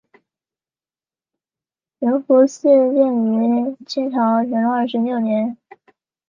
仁寿寺建于清朝乾隆二十六年。